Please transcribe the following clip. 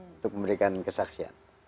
untuk memberikan kesaksian